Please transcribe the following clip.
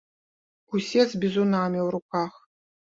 Усе з бізунамі ў руках.